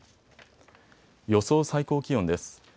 予想最高気温です。